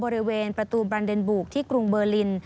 บริเวณประตูบรันเดนบูกที่กรุงเบอร์ลิน